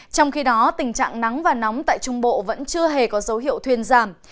trong khi đó tình trạng nắng và nóng tại trung bộ vẫn chưa hề có dấu hiệu thuyên giảm